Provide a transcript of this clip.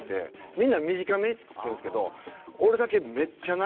みんな短めに作ってるんですけど俺だけ。